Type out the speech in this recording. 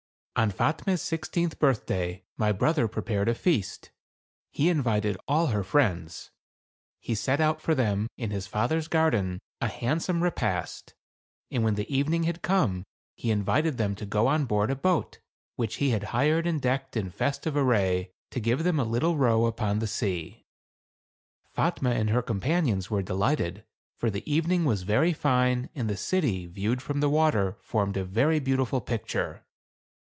On Fatme's sixteenth birthday my brother pre pared a feast. He invited all her friends ; he set out for them, in his father's garden, a handsome repast ; and when the evening had come, he in vited them to go on board a boat, which he had THE CAB AVAN. 159 hired and decked in festive array, to give them a little row upon the sea. Fatuie and her companions were delighted ; for the evening was very fine, and the city viewed from the water formed a very beautiful picture.